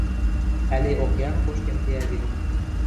Ӓли океан кошкен кеӓ гӹнь.